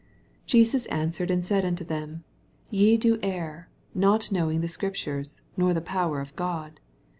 29 Jesis answered and said unto them. Ye do err, not knowing t^t Scriptnies, nor the power of God.